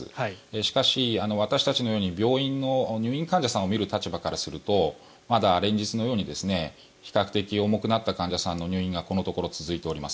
しかし、私たちのように病院の入院患者さんを診る立場からするとまだ連日のように比較的重くなった患者さんの入院がこのところ続いております。